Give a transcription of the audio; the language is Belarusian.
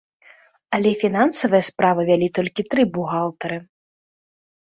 Але фінансавыя справы вялі толькі тры бухгалтары.